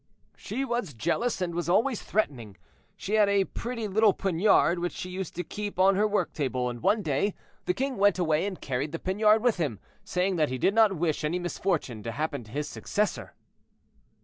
"She was jealous and was always threatening; she had a pretty little poniard, which she used to keep on her work table, and one day, the king went away and carried the poniard with him, saying that he did not wish any misfortune to happen to his successor."